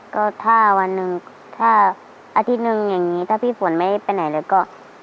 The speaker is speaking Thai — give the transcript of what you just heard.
ก็ถ้าวันหนึ่งถ้าอาทิตย์หนึ่งอย่างนี้ถ้าพี่ฝนไม่ไปไหนเลยก็